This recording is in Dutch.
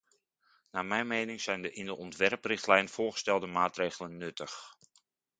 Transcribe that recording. Naar mijn mening zijn de in de ontwerprichtlijn voorgestelde maatregelen nuttig.